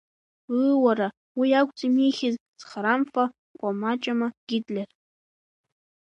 Ыы, уара, уи акәӡами ихьыз зхарамфа, кәамаҷама Гитлер.